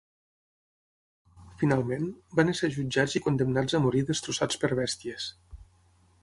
Finalment, van ésser jutjats i condemnats a morir destrossats per bèsties.